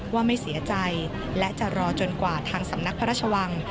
ว่าไม่เสียใจและจะรอจนกว่าทางสำนักพระราชวัง